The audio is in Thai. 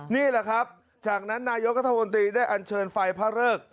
นี่แหละครับจากนั้นนายกัธมนตรีได้อันเชิญไฟพระเริก